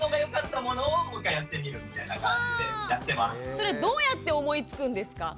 それどうやって思いつくんですか？